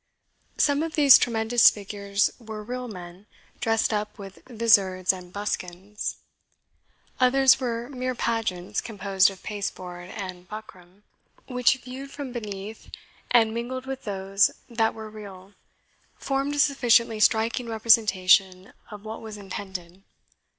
Some of these tremendous figures were real men, dressed up with vizards and buskins; others were mere pageants composed of pasteboard and buckram, which, viewed from beneath, and mingled with those that were real, formed a sufficiently striking representation of what was intended.